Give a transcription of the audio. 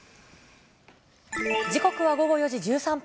時刻は午後４時１３分。